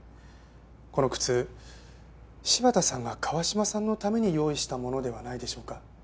この靴柴田さんが川嶋さんのために用意したものではないでしょうか？